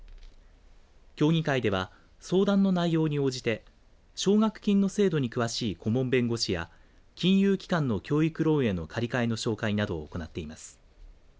協議会では相談の内容に応じて奨学金の制度に詳しい顧問弁護士や金融機関の教育ローンへの借り換えの紹介などを行っています。